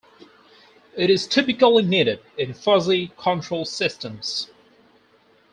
It is typically needed in fuzzy control systems.